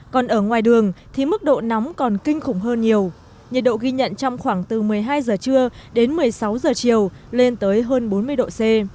còn ở ngoài đường thì mức độ nóng còn kinh khủng hơn nhiều nhiệt độ ghi nhận trong khoảng từ một mươi hai giờ trưa đến một mươi sáu giờ chiều lên tới hơn bốn mươi độ c